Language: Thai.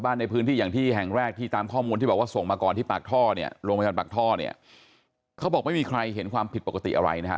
ในพื้นที่อย่างที่แห่งแรกที่ตามข้อมูลที่บอกว่าส่งมาก่อนที่ปากท่อเนี่ยโรงพยาบาลปากท่อเนี่ยเขาบอกไม่มีใครเห็นความผิดปกติอะไรนะฮะ